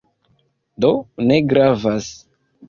Do, ne gravas."